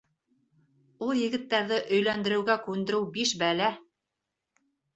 Ул егеттәрҙе өйләндереүгә күндереү биш бәлә.